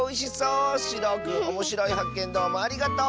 しろうくんおもしろいはっけんどうもありがとう！